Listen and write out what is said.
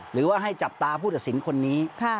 หรือว่าให้จับตาผู้ตัดสินคนนี้